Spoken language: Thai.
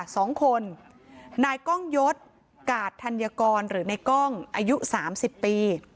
สองคนนายกล้องยศกาดธัญกรหรือในกล้องอายุสามสิบปี